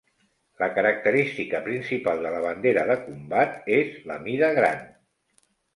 La característica principal de la bandera de combat és la mida gran.